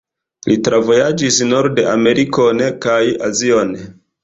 Li travojaĝis Nord-Amerikon kaj Azion.